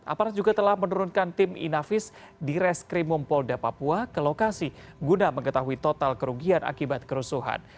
aparat juga telah menurunkan tim inavis di reskrimum polda papua ke lokasi guna mengetahui total kerugian akibat kerusuhan